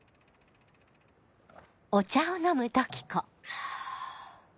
ハァ。